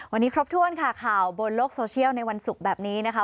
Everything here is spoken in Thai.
วันนี้ครบถ้วนค่ะข่าวบนโลกโซเชียลในวันศุกร์แบบนี้นะคะ